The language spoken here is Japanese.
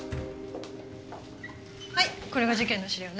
はいこれが事件の資料ね。